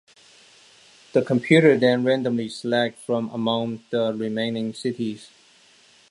The computer then randomly selects from among the remaining cities.